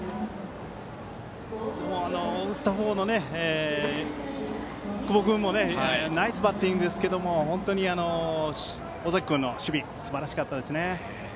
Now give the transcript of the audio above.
打ったほうの久保君もナイスバッティングですけど尾崎君の守備すばらしかったですね。